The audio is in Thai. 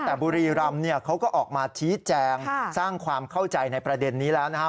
แต่บุรีรำเนี่ยเขาก็ออกมาชี้แจงสร้างความเข้าใจในประเด็นนี้แล้วนะครับ